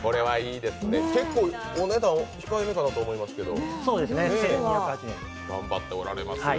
お値段、控えめかなと思いますけど１２８０円。頑張っておられますよ。